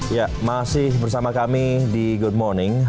ya masih bersama kami di good morning